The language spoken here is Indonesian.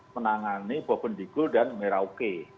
menangani bobon dikul dan merauke